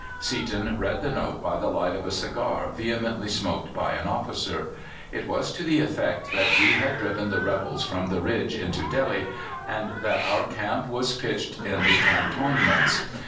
Seaton read the note by the light of a cigar vehemently smoked by an officer. It was to the effect that we had driven the rebels from the ridge into Delhi, and that our camp was pitched in the cantonments.